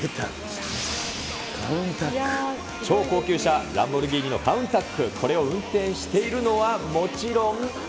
超高級車、ランボルギーニのカウンタック、これを運転しているのはもちろん。